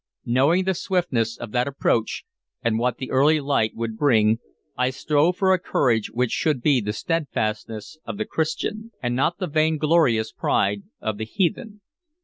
Knowing the swiftness of that approach, and what the early light would bring, I strove for a courage which should be the steadfastness of the Christian, and not the vainglorious pride of the heathen.